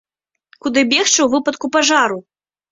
Куды бегчы ў выпадку пажару?